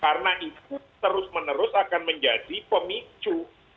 karena itu terus menerus akan menjadi pemicu